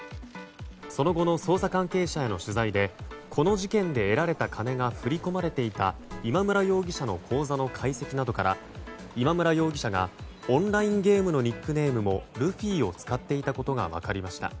その後の捜査関係者への取材でこの事件で得られた金が振り込まれていた今村容疑者の口座の解析などから今村容疑者がオンラインゲームのニックネームもルフィを使っていたことが分かりました。